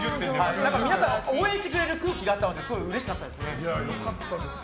皆さんが応援してくれる空気があったのですごいうれしかったですね。